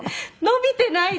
伸びてない？